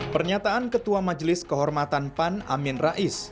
pernyataan ketua majelis kehormatan pan amin rais